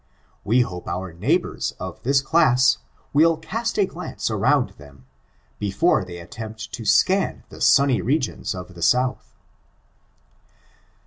We hope our neighbors of this class, will cast a glance around them, before they attempt to scan the sunny regions of the South.